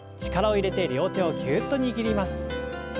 力を入れて両手をぎゅっと握ります。